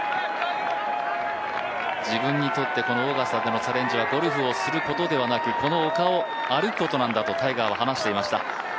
自分にとってオーガスタでのチャレンジはゴルフをすることではなくこの丘を歩くことなんだとタイガーは話していました。